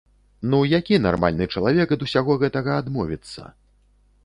Ну які нармальны чалавек ад усяго гэтага адмовіцца?